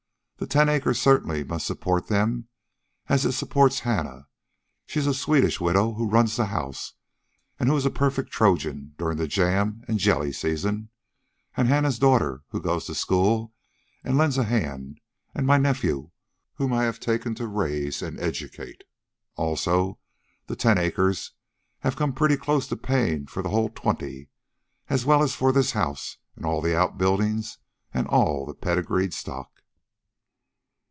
The ten acres certainly must support them, as it supports Hannah she's a Swedish widow who runs the house and who is a perfect Trojan during the jam and jelly season and Hannah's daughter, who goes to school and lends a hand, and my nephew whom I have taken to raise and educate. Also, the ten acres have come pretty close to paying for the whole twenty, as well as for this house, and all the outbuildings, and all the pedigreed stock."